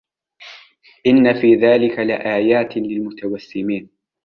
إن في ذلك لآيات للمتوسمين